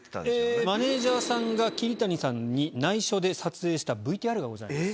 マネージャーさんが桐谷さんに内緒で撮影したＶＴＲがございます。